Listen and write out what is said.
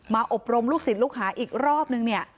มาอบรมลูกศิษย์ลูกขาอีกรอบหนึ่ง